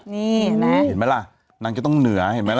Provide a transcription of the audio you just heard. นี่เห็นไหมเห็นไหมล่ะนางจะต้องเหนือเห็นไหมล่ะ